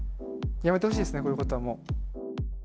やめてほしいですね、こういうことはもう。